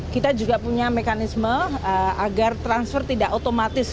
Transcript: kita juga punya mekanisme agar transfer tidak otomatis